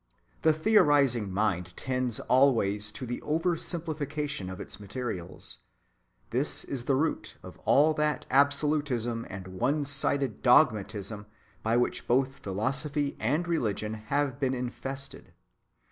The theorizing mind tends always to the over‐simplification of its materials. This is the root of all that absolutism and one‐sided dogmatism by which both philosophy and religion have been infested.